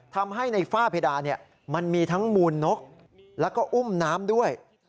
ทำให้ในฝ้าเพดานมันมีทั้งมูลนกแล้วก็อุ้มน้ำด้วย